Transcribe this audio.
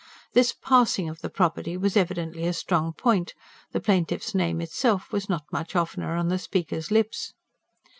This "passing" of the property was evidently a strong point; the plaintiff's name itself was not much oftener on the speaker's lips.